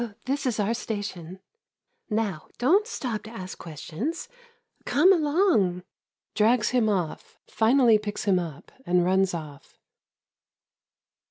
This is our station. Now, don't stop to ask questions. Come along. [Drags him off, finally picks him up, and runs off.